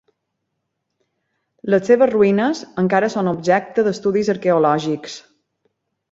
Les seves ruïnes encara són objectes d'estudis arqueològics.